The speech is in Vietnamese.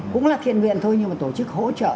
cũng là thiện nguyện thôi nhưng mà tổ chức hỗ trợ